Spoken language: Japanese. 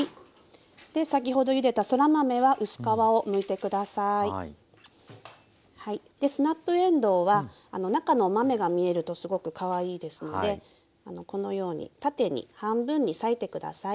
で先ほどゆでたそら豆は薄皮をむいて下さい。でスナップえんどうは中のお豆が見えるとすごくかわいいですのでこのように縦に半分に裂いて下さい。